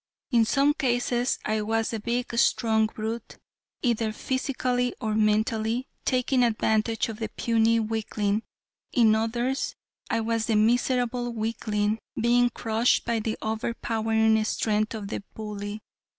In some cases I was the big strong brute either physically or mentally taking advantage of the puny weakling. In others, I was the miserable weakling, being crushed by the over powering strength of the bully.